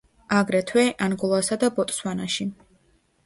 აგრეთვე, ანგოლასა და ბოტსვანაში.